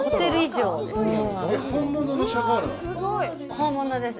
本物です。